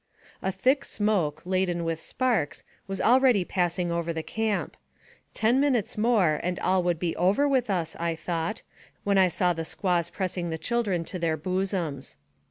A thick smoke, laden with sparks, was already pass ing over the camp. Ten minutes more, and all would be over with us, I thought, when I saw the squaws pressing the children to their bosoms.